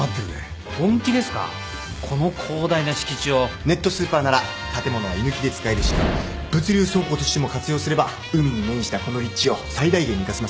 ネットスーパーなら建物は居抜きで使えるし物流倉庫としても活用すれば海に面したこの立地を最大限に生かせますよね？